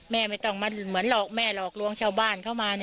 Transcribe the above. ไม่ต้องมาเหมือนหลอกแม่หลอกลวงชาวบ้านเข้ามา